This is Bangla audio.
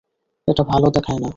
এটা ভালো দেখায় না।